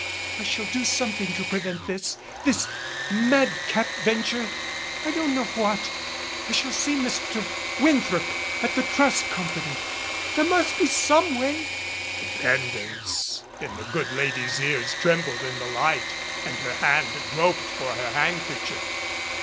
I shall do something to prevent this this madcap ven ture I don't know what. I shall see Mr. Winthrop at the Trust Company. There must be some way ' The pendants in the good lady's ears trembled in the light, and her hand groped for her handkerchief.